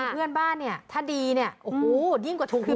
เพื่อนบ้านเนี่ยถ้าดีเนี่ยโอ้โหยิ่งกว่าถูกอีก